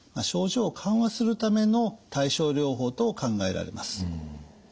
症状を緩和するための対症療法と考えられます。